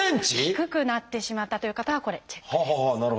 低くなってしまったという方はこれチェックです。